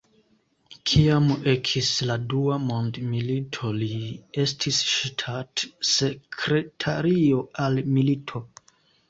Kiam ekis la Dua mondmilito li estis ŝtatsekretario al milito.